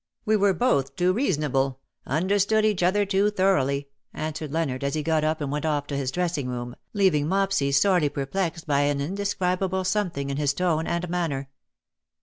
We were both too reasonable — understood each other too thoroughly/^ answered Leonard, as he got up and went off to his dressing room, leaving Mopsy sorely perplexed by an indescribable something in his tone and manner.